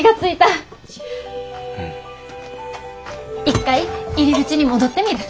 一回入り口に戻ってみる。